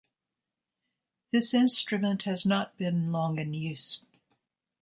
This instrument has not been long in use.